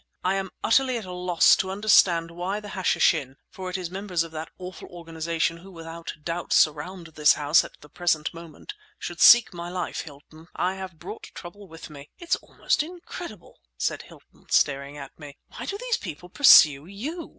I am utterly at a loss to understand why the Hashishin—for it is members of that awful organization who, without a doubt, surround this house at the present moment—should seek my life. Hilton, I have brought trouble with me!" "It's almost incredible!" said Hilton, staring at me. "Why do these people pursue you?"